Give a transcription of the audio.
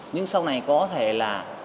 nhưng sau này có thể là